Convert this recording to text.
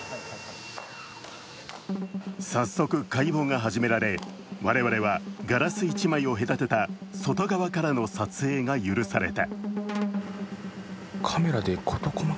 早速解剖が始められ、我々はガラス１枚を隔てた外側からの撮影が許された。